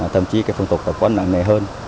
thậm chí phương tục của bà con nặng nề hơn